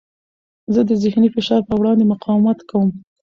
زه د ذهني فشار په وړاندې مقاومت کوم.